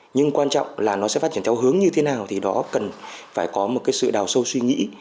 nhưng quan trọng là nó sẽ phát triển theo hướng như thế nào thì đó cần phải có một cái sự đào sâu suy nghĩ